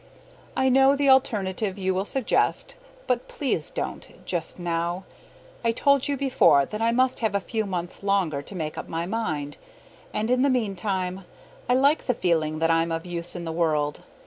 I know the alternative you will suggest, but please don't just now. I told you before that I must have a few months longer to make up my mind. And in the meantime I like the feeling that I'm of use in the world.